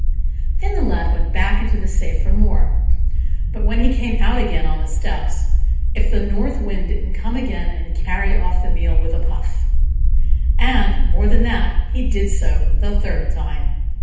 Then the Lad went back into the safe for more; but when he came out again on the steps, if the North Wind didn't come again and carry off the meal with a puff: and, more than that, he did so the third time.